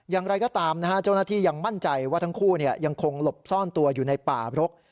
อย่างไรก็ตามนะฮะเจ้าหน้าที่ยังมั่นใจว่าทั้งคู่ยังคงหลบซ่อนตัวอยู่ในป่ารก